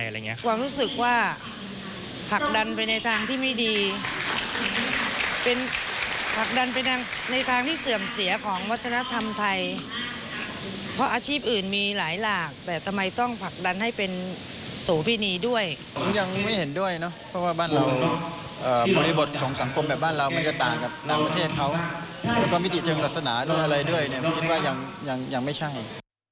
แล้วก็มิติเจริญศาสนาด้วยอะไรด้วยมันคิดว่ายังไม่ใช่